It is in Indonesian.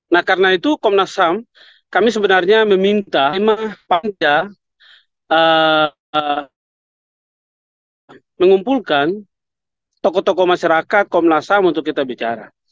nah karena itu komnas ham kami sebenarnya meminta panja mengumpulkan tokoh tokoh masyarakat komnas ham untuk kita bicara